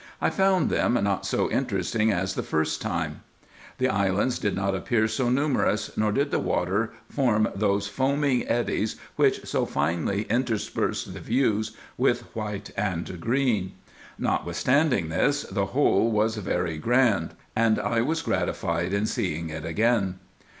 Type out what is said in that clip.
I found them not so in teresting as the first time ; the islands did not appear so numerous ; nor did the water form those foaming eddies, which so finely in terspersed the views with white and green. Notwithstanding this, the whole was very grand, and I was gratified in seeing it again.